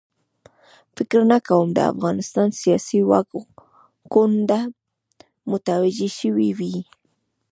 فکر نه کوم د افغانستان سیاسي واک کونډه متوجه شوې وي.